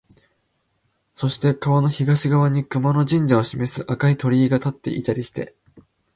そして川の東側に熊野神社を示す赤い鳥居が立っていたりして、